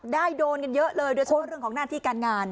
โดนกันเยอะเลยโดยเฉพาะเรื่องของหน้าที่การงาน